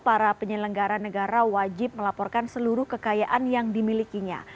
para penyelenggara negara wajib melaporkan seluruh kekayaan yang dimilikinya